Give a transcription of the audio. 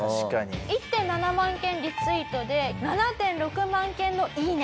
１．７万件リツイートで７．６万件のいいね。